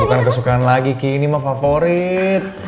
bukan kesukaan lagi ki ini mah favorit